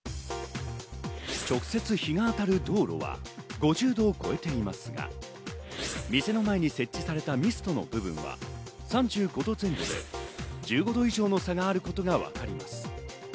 直接、日が当たる道路は５０度を超えていますが、店の前に設置されたミストの部分は３５度前後で１５度以上の差があることがわかります。